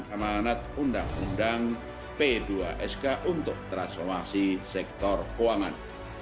peran dengan kementerian pundang kementerian b dua sk untuk transformasi sektor keuangan